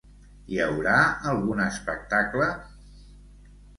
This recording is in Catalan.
Hi haurà algun espectacle?